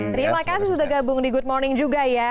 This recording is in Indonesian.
terima kasih sudah gabung di good morning juga ya